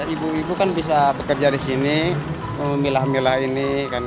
ibu ibu kan bisa bekerja disini milah milah ini